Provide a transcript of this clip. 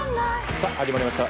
さぁ始まりました